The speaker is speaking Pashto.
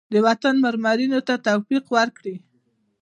د وطن منورینو ته توفیق ورکړي.